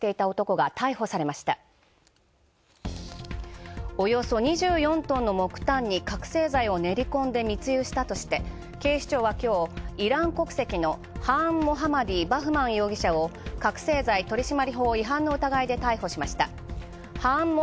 およそ２４トンの木炭に覚せい剤を練りこんで密輸したとして警視庁はイラン国籍のハーンモハマディバフマン容疑者を覚せい剤取締法違反の疑いで逮捕しました。